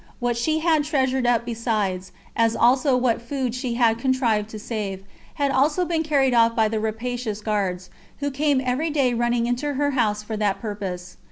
What she had treasured up besides, as also what food she had contrived to save, had been also carried off by the rapacious guards, who came every day running into her house for that purpose.